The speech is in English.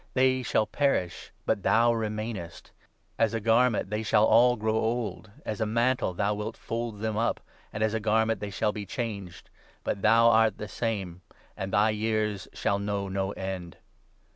They shall perish, but thou remainest ; 1 1 As a garment they shall all grow old ; As a mantle thou wilt fold them up, 12 And as a garment they shall be changed, But thou art the same, and thy years shall know no end.'